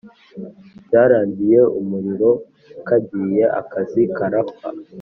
byarangiye umuriro kagiye akazi karapfa